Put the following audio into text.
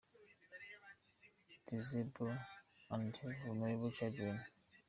‘Disabled and Vulnerable Children ’.